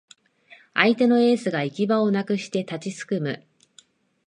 相手のエースが行き場をなくして立ちすくむ